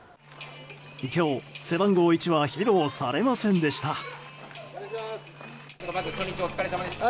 今日、背番号１は披露されませんでした。